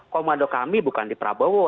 komando kami bukan di prabowo